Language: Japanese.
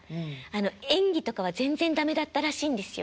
演技とかは全然駄目だったらしいんですよ。